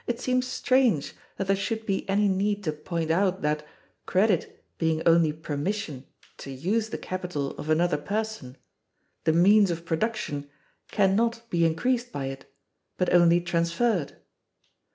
It seems strange that there should be any need to point out that, credit being only permission to use the capital of another person, the means of production can not be increased by it, but only transferred.